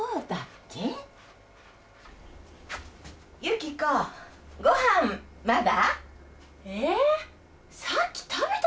ねえごはんまだ？